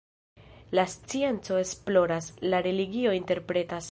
La scienco esploras, la religio interpretas.